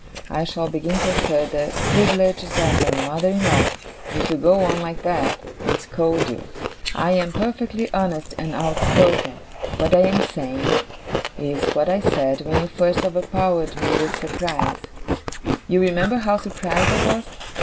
I shall begin to assert the privileges of a mother in law, if you go on like that, and scold you. I am perfectly honest and outspoken. What I am saying, is what I said when you first overpowered me with surprise you remember how surprised I was?